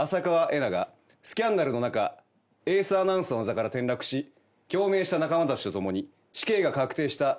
恵那がスキャンダルの中エースアナウンサーの座から転落し共鳴した仲間たちと共に死刑が確定した冤罪